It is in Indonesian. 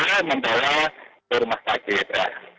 nah ketika terakhir menurut pak tim delio